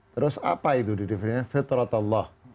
terus apa itu didivinanya fitratallah